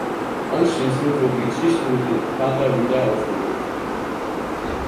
Anschließend wird die Geschichte mit ihrem Vater wieder aufgegriffen.